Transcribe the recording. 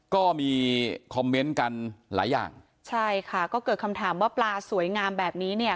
ก็มีคอมเมนต์กันหลายอย่างใช่ค่ะก็เกิดคำถามว่าปลาสวยงามแบบนี้เนี่ย